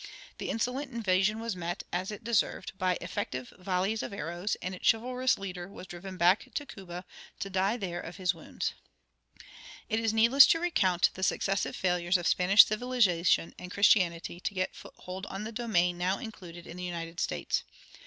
The insolent invasion was met, as it deserved, by effective volleys of arrows, and its chivalrous leader was driven back to Cuba, to die there of his wounds. It is needless to recount the successive failures of Spanish civilization and Christianity to get foothold on the domain now included in the United States.